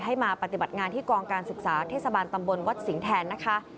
ให้มาปฏิบัติงานที่กองการศึกษาเทศบาลตำบลวัดสิงห์แทนนะคะ